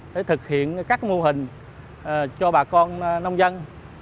để thực hiện các mô hình cho bà con nông dân